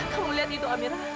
kamu lihat itu amira